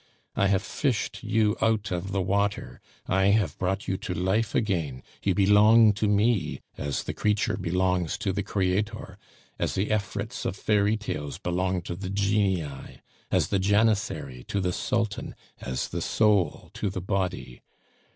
I have fished you out of the water, I have brought you to life again, you belong to me as the creature belongs to the creator, as the efrits of fairytales belong to the genii, as the janissary to the Sultan, as the soul to the body.